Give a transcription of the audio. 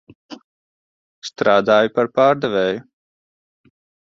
Strādāju par pārdevēju.